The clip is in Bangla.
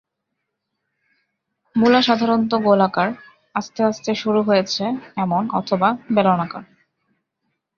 মূলা সাধারণত গোলাকার, আস্তে আস্তে সরু হয়েছে এমন অথবা বেলনআকার।